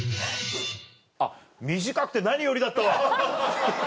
あっ短くて何よりだったわ。